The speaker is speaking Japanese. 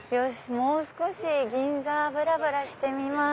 もう少し銀座ぶらぶらしてみます。